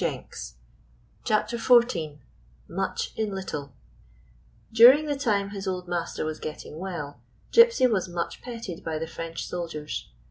168 CHAPTER XIV MUCH IN LITTLE D URING the time his old master was getting well Gypsy was much petted by the French soldiers.